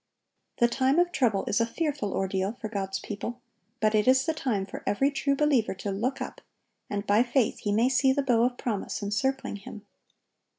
The time of trouble is a fearful ordeal for God's people; but it is the time for every true believer to look up, and by faith he may see the bow of promise encircling him.